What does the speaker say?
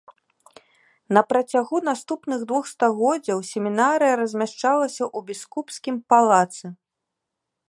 На працягу наступных двух стагоддзяў семінарыя размяшчалася ў біскупскім палацы.